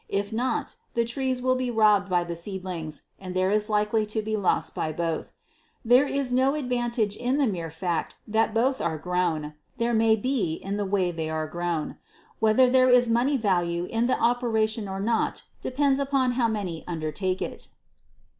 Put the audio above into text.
If not, the trees will be robbed by the seedlings, and there is likely to be loss by both. There is no advantage in the mere fact that both are grown; there may be in the way they are grown. Whether there is money value in the operation or not depends upon how many undertake it.